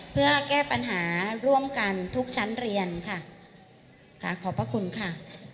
เพื่อแก้ปัญหาร่วมกันทุกชั้นเรียนค่ะค่ะขอบพระคุณค่ะ